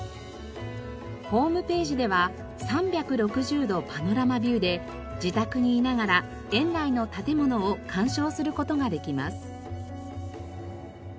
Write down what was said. ホームページでは３６０度パノラマビューで自宅にいながら園内の建物を鑑賞する事ができます。